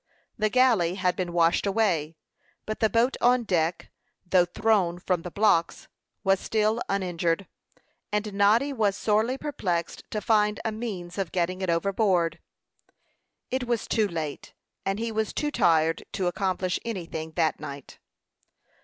The galley had been washed away; but the boat on deck, though thrown from the blocks, was still uninjured; and Noddy was sorely perplexed to find a means of getting it overboard. It was too late, and he was too tired to accomplish anything that night.